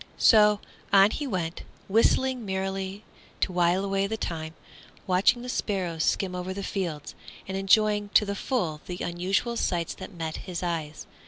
So, on he went, whistling merrily to while away the time, watching the sparrows skim over the fields, and enjoying to the full the unusual sights that met his eyes.